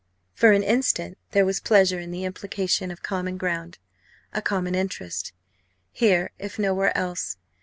For an instant there was pleasure in the implication of common ground, a common interest here if no where else.